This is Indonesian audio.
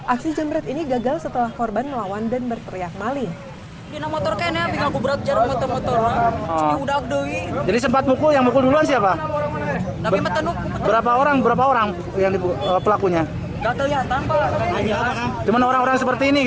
aksi jembret ini gagal setelah korban melawan dan berteriak maling